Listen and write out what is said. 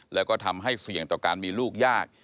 แล้วก็ทำให้เสี่ยงต่อการมีลูกยาก